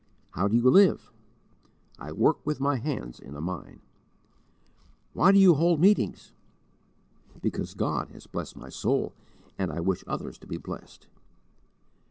"How do you live?" "I work with my hands in a mine." "Why do you hold meetings?" "Because God has blessed my soul, and I wish others to be blessed."